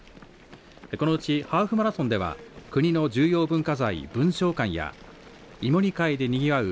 このうちハーフマラソンでは国の重要文化財、文翔館や芋煮会でにぎわう